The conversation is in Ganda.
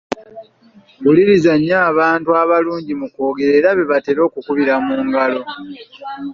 Wuliriza nnyo abantu abalungi mu kwogera era be batera okukubira mu ngalo.